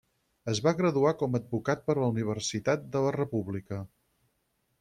Es va graduar com a advocat per la Universitat de la República.